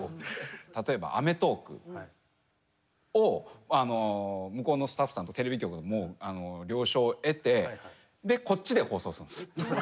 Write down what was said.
例えば「アメトーーク！」を向こうのスタッフさんとテレビ局でもう了承を得てこっちで放送するんです。